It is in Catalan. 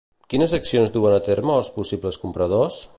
Quines accions duen a terme els possibles compradors?